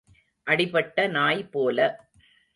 அடிபட்ட நாய் போல.